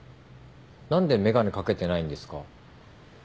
何で眼鏡掛けてないんですか？